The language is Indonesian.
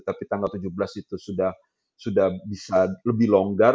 tapi tanggal tujuh belas itu sudah bisa lebih longgar